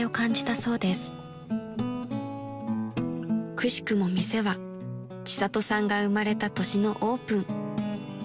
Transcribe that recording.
［くしくも店は千里さんが生まれた年のオープン］